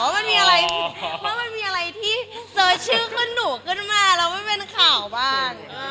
มันมีอะไรว่ามันมีอะไรที่เสิร์ชชื่อขึ้นหนูขึ้นมาแล้วไม่เป็นข่าวบ้าง